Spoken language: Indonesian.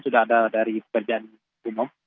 sudah ada dari pekerjaan umum